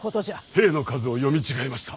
兵の数を読み違えました。